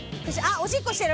おしっこしてる！